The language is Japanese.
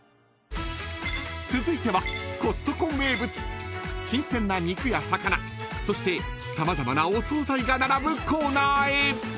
［続いてはコストコ名物新鮮な肉や魚そして様々なお総菜が並ぶコーナーへ］